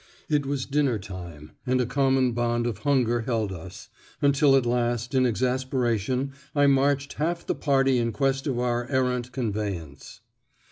It was dinner time, and a common bond of hunger held us, until at last in exasperation I marched half the party in quest of our errant conveyance.